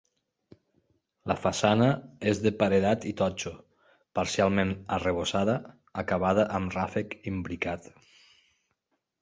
La façana és de paredat i totxo, parcialment arrebossada, acabada amb ràfec imbricat.